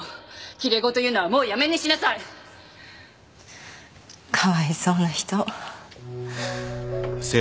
きれい事言うのはもうやめにしなさいかわいそうな人アッ！